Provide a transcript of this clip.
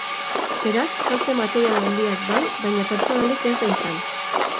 Beraz, kalte material handiak bai, baina pertsonalik ez da izan.